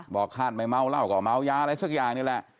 คาดไม่เมาเหล้าก็เมายาอะไรสักอย่างนี่แหละ